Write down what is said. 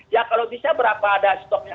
ya kalau bisa berapa ada stoknya